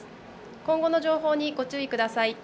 今後の情報にご注意ください。